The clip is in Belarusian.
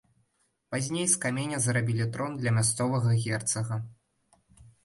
Пазней з каменя зрабілі трон для мясцовага герцага.